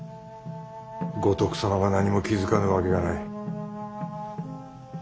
五徳様が何も気付かぬわけがない。